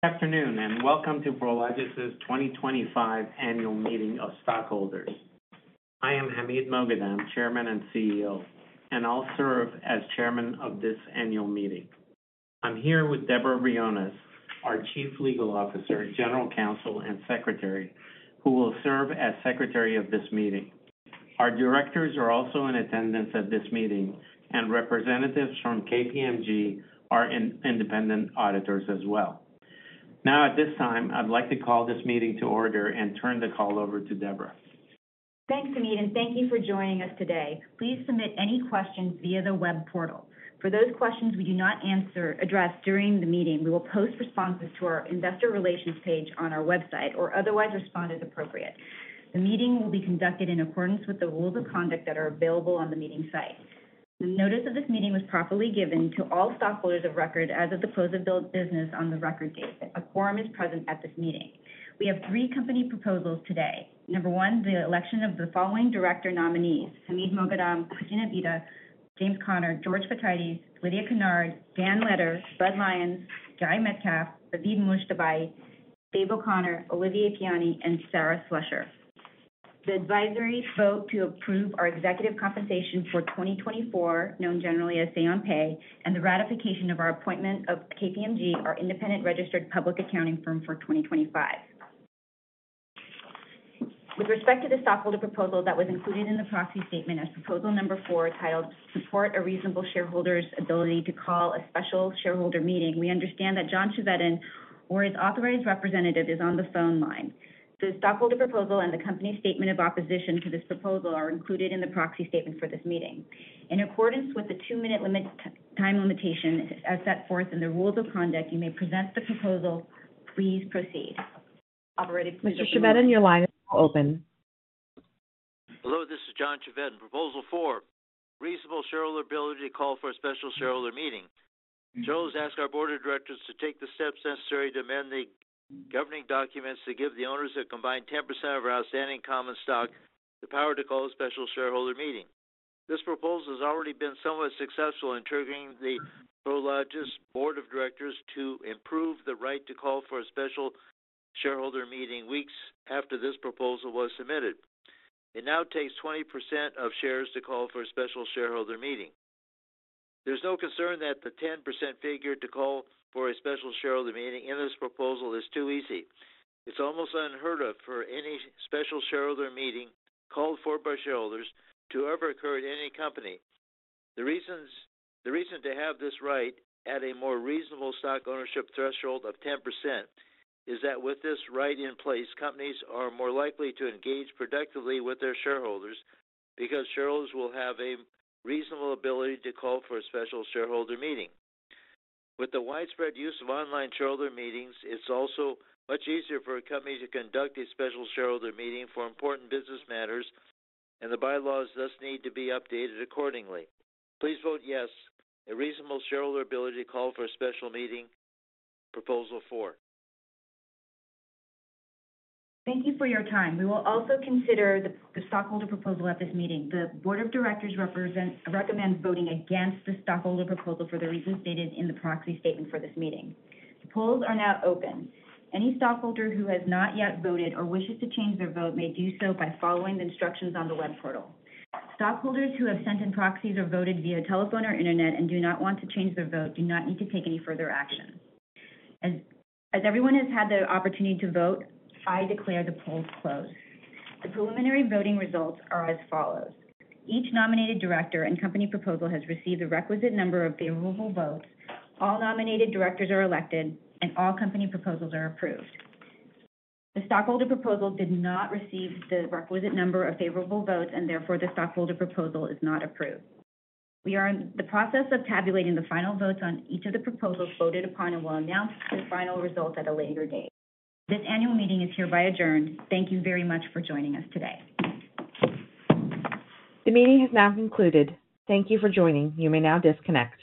Good afternoon and welcome to Prologis' 2025 Annual Meeting of Stockholders. I am Hamid Moghadam, Chairman and CEO, and I'll serve as Chairman of this Annual Meeting. I'm here with Deborah Briones, our Chief Legal Officer, General Counsel, and Secretary, who will serve as Secretary of this meeting. Our directors are also in attendance at this meeting, and representatives from KPMG are independent auditors as well. Now, at this time, I'd like to call this meeting to order and turn the call over to Deborah. Thanks, Hamid, and thank you for joining us today. Please submit any questions via the web portal. For those questions we do not address during the meeting, we will post responses to our Investor Relations page on our website or otherwise respond as appropriate. The meeting will be conducted in accordance with the rules of conduct that are available on the meeting site. The notice of this meeting was properly given to all stockholders of record as of the close of business on the record date. A quorum is present at this meeting. We have three company proposals today. Number one, the election of the following director nominees: Hamid Moghadam, Cristina Bita, James Connor, George Fotiades, Lydia Kennard, Dan Letter, Bud Lyons, Gary Metcalf, Avid Modjtabai, David O'Connor, Olivier Piani, and Sarah Slusser. The advisory vote to approve our executive compensation for 2024, known generally as Say on Pay, and the ratification of our appointment of KPMG, our independent registered public accounting firm, for 2025. With respect to the stockholder proposal that was included in the proxy statement as proposal number four, titled "Support a Reasonable Shareholder's Ability to Call a Special Shareholder Meeting," we understand that John Chevedden, or his authorized representative, is on the phone line. The stockholder proposal and the company's statement of opposition to this proposal are included in the proxy statement for this meeting. In accordance with the two-minute time limitation as set forth in the rules of conduct, you may present the proposal. Please proceed. Mr. Chevedden, your line is still open. Hello, this is John Chevedden. Proposal four: Reasonable Shareholder Ability to Call for a Special Shareholder Meeting. Shareholders ask our Board of Directors to take the steps necessary to amend the governing documents to give the owners who have combined 10% of our outstanding common stock the power to call a special shareholder meeting. This proposal has already been somewhat successful in triggering the Prologis Board of Directors to improve the right to call for a special shareholder meeting weeks after this proposal was submitted. It now takes 20% of shares to call for a special shareholder meeting. There's no concern that the 10% figure to call for a special shareholder meeting in this proposal is too easy. It's almost unheard of for any special shareholder meeting called for by shareholders to ever occur at any company. The reason to have this right at a more reasonable stock ownership threshold of 10% is that with this right in place, companies are more likely to engage productively with their shareholders because shareholders will have a reasonable ability to call for a special shareholder meeting. With the widespread use of online shareholder meetings, it's also much easier for a company to conduct a special shareholder meeting for important business matters, and the bylaws thus need to be updated accordingly. Please vote yes, a reasonable shareholder ability to call for a special meeting proposal four. Thank you for your time. We will also consider the stockholder proposal at this meeting. The Board of Directors recommends voting against the stockholder proposal for the reasons stated in the proxy statement for this meeting. The polls are now open. Any stockholder who has not yet voted or wishes to change their vote may do so by following the instructions on the web portal. Stockholders who have sent in proxies or voted via telephone or internet and do not want to change their vote do not need to take any further action. As everyone has had the opportunity to vote, I declare the polls closed. The preliminary voting results are as follows. Each nominated director and company proposal has received the requisite number of favorable votes. All nominated directors are elected, and all company proposals are approved. The stockholder proposal did not receive the requisite number of favorable votes, and therefore the stockholder proposal is not approved. We are in the process of tabulating the final votes on each of the proposals voted upon and will announce the final results at a later date. This annual meeting is hereby adjourned. Thank you very much for joining us today. The meeting has now concluded. Thank you for joining. You may now disconnect.